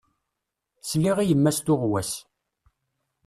Sliɣ i yemma-s tuɣwas.